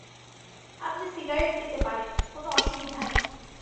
আপনি সিগারেট খেতে পারেন, কোনো অসুবিধা নেই।